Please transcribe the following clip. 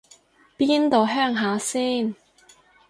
邊度鄉下先